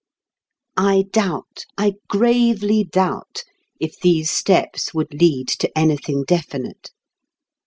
I doubt, I gravely doubt, if these steps would lead to anything definite.